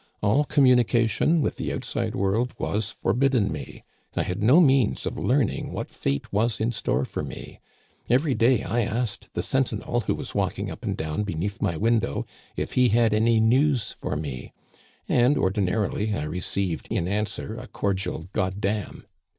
All communication with the outside world was forbidden me. I had no means of learning what fate was in store for me. Every day I asked the sentinel who was walking up and down beneath my window if he had any news for me, and ordi narily I received in answer a cordial * goddam.'